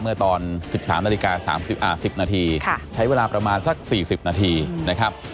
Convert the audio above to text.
เมื่อตอนสิบสามนาฬิกาสามสิบอ่าสิบนาทีค่ะใช้เวลาประมาณสักสี่สิบนาทีนะครับ